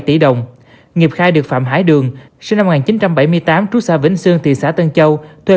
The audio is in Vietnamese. tỷ đồng nghiệp khai được phạm hải đường sinh năm một nghìn chín trăm bảy mươi tám trú xa vĩnh sương thị xã tân châu thuê